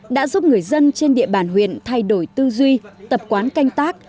đã giúp người dân trên địa bàn huyện thay đổi tư duy tập quán canh tác